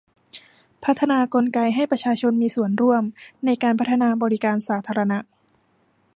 พัฒนากลไกให้ประชาชนมีส่วนร่วมในการพัฒนาบริการสาธารณะ